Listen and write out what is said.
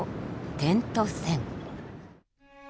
「点と線」。